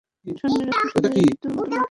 স্বর্ণের রাজপ্রাসাদের ভীতুর মতো লুকিয়ে থাকা?